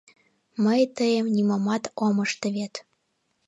Мый тыйым нимомат ом ыште вет.